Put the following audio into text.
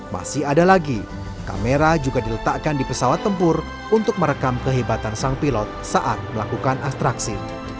masih ada lagi kamera juga diletakkan di pesawat tempur untuk merekam kehebatan sang pilot saat melakukan atraksi